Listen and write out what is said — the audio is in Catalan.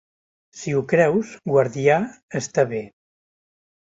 Si ho creus, guardià, està bé.